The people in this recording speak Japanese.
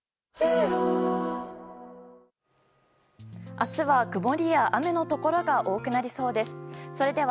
明日は、曇りや雨のところが多くなりそうです。